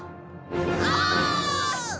オー！！